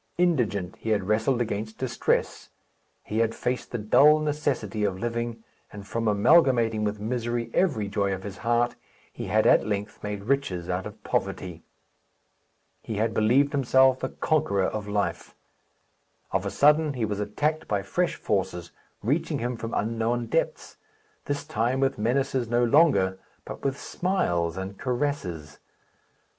Indigent, he had wrestled against distress, he had faced the dull necessity of living, and from amalgamating with misery every joy of his heart, he had at length made riches out of poverty. He had believed himself the conqueror of life. Of a sudden he was attacked by fresh forces, reaching him from unknown depths; this time, with menaces no longer, but with smiles and caresses.